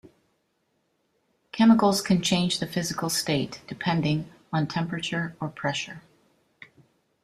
Chemicals can change the physical state depending on temperature or pressure.